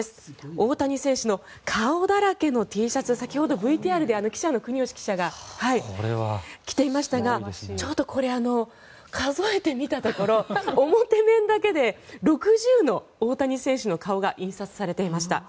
大谷選手の顔だらけのＴシャツ先ほどＶＴＲで記者の国吉記者が着ていましたがちょっとこれ、数えてみたところ表面だけで６０の大谷選手の顔が印刷されていました。